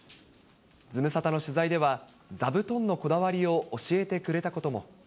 ズムサタの取材では、座布団のこだわりを教えてくれたことも。